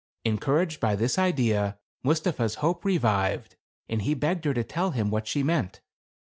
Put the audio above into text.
Encouraged by this idea, Mustapha's hope re vived, and he begged her to tell him what she meant.